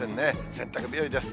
洗濯日和です。